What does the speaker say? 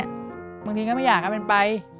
บางทีก็ไม่อยากเอามันไป